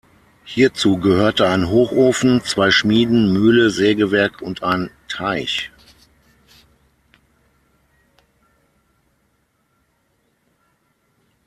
Hierzu gehörte ein Hochofen, zwei Schmieden, Mühle, Sägewerk und ein Teich.